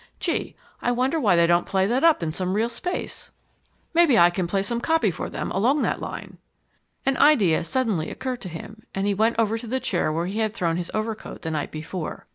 Gee, I wonder why they don't play that up in some real space? Maybe I can place some copy for them along that line." An idea suddenly occurred to him, and he went over to the chair where he had thrown his overcoat the night before.